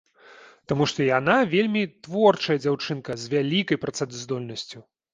Таму што яна вельмі творчая дзяўчынка, з вялікай працаздольнасцю.